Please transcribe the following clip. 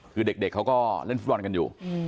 คือเด็กเขาก็เล่นฟุตบอลกันอยู่